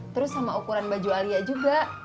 terus sama ukuran baju alia juga